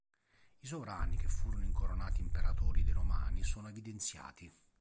I sovrani che furono incoronati Imperatori dei Romani sono evidenziati.